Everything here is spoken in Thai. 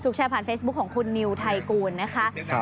แชร์ผ่านเฟซบุ๊คของคุณนิวไทยกูลนะคะ